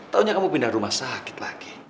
taunya kamu pindah rumah sakit lagi